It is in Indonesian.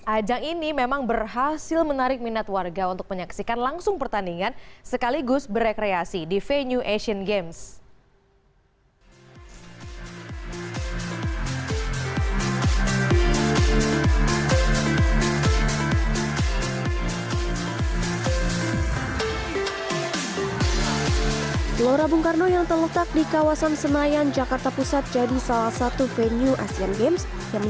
ajang ini memang berhasil menarik minat warga untuk menyaksikan langsung pertandingan sekaligus berekreasi di venue asian games